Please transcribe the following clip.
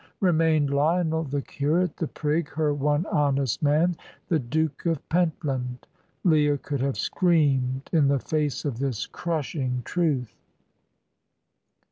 Remained Lionel, the curate, the prig, her one honest man the Duke of Pentland. Leah could have screamed in the face of this crushing truth.